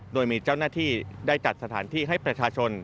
โดยมีเจ้าหน้าที่ได้จัดสถานที่ให้ประชาชน